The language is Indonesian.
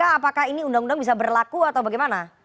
apakah ini undang undang bisa berlaku atau bagaimana